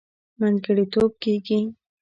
منځګړتوب کېږي.